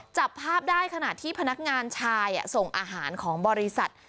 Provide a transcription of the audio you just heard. จับภาพได้ขณะที่พนักงานชายส่งอาหารของบริษัท